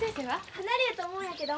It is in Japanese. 離れやと思うんやけど。